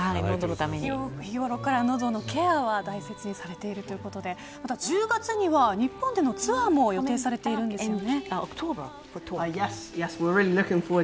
日頃から喉のケアは大切にされているということで１０月には日本でのツアーも予定されているんですよね。